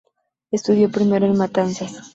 Estudió primero en Matanzas.